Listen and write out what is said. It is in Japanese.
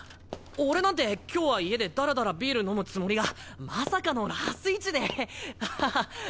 俺なんて今日は家でダラダラビール飲むつもりがまさかのラス１であははっ。